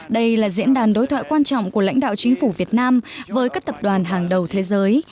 đây là diễn đàn đối thoại quan trọng của lãnh đạo chính phủ việt nam với các tập đoàn hàng đầu thế giới